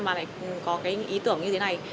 mà lại có cái ý tưởng như thế này